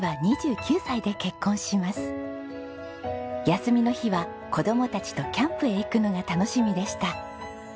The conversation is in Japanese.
休みの日は子供たちとキャンプへ行くのが楽しみでした。